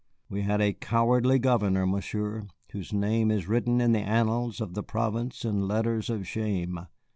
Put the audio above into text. We had a cowardly governor, Monsieur, whose name is written in the annals of the province in letters of shame.